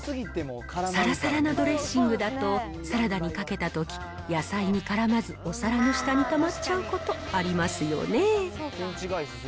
さらさらなドレッシングだと、サラダにかけたとき、野菜にからまず、お皿の下にたまっちゃうこと、ありますよね。